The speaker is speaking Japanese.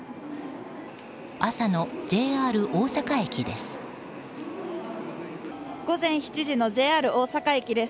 朝のＪＲ大阪駅です。